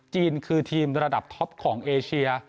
จีนคือทีมระดับท็อปของเอเชีย